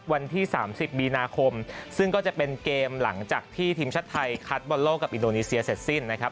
วันที่๓๐มีนาคมซึ่งก็จะเป็นเกมหลังจากที่ทีมชาติไทยคัดบอลโลกกับอินโดนีเซียเสร็จสิ้นนะครับ